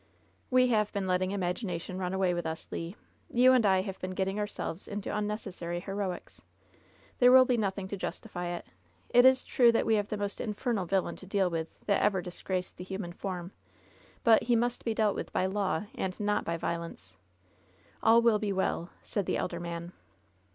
'We have been letting imagination run away vdth us, Le. You and I have been getting ourselves into un necessary heroics. There vnll be nothing to justify it. It is true that we have the most infernal villain to deal with that ever disgraced the human form, but he must be dealt with by law, and not by violence. All will be well," said the elder man.